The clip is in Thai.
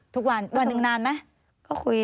ทุกวันวันหนึ่งนานไหม